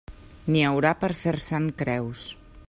N'hi haurà per fer-se'n creus.